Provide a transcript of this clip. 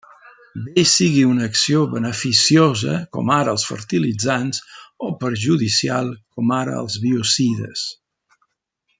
Bé sigui una acció beneficiosa, com ara els fertilitzants, o perjudicial, com ara els biocides.